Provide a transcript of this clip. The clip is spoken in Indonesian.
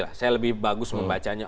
saya lebih bagus membacanya